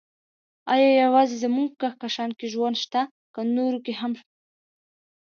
ايا يوازې زموږ کهکشان کې ژوند شته، که نورو کې هم؟